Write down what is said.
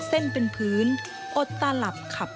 สิ่งที่ขอพูดมากครับคุณครับ